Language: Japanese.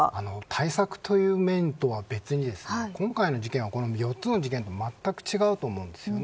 対策の面とは別に今回の事件は４つの事件とまったく違うと思うんです。